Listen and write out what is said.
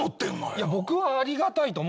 いや僕はありがたいと思ってますよ。